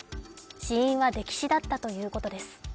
死因は溺死だったということです。